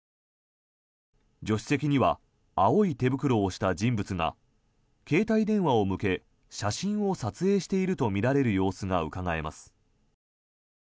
助手席には青い手袋をした人物が携帯電話を向け写真を撮影しているとみられる様子がうかがえます。